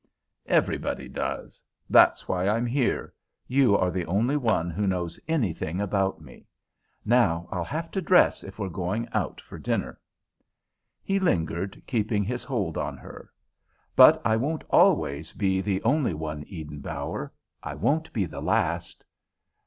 "Everybody does. That's why I'm here. You are the only one who knows anything about me. Now I'll have to dress if we're going out for dinner." He lingered, keeping his hold on her. "But I won't always be the only one, Eden Bower. I won't be the last."